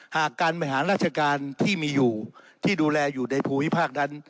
การบริหารราชการที่มีอยู่ที่ดูแลอยู่ในภูมิภาคนั้น